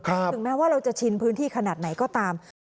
ถึงแม้ว่าเราจะชินพื้นที่ขนาดไหนก็ตาม